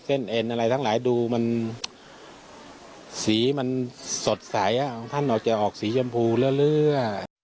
เอ็นอะไรทั้งหลายดูมันสีมันสดใสของท่านออกจะออกสีชมพูเรื่อย